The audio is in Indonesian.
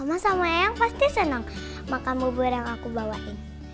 mama sama ayang pasti seneng makan bubur yang aku bawain